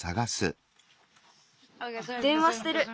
でんわしてる。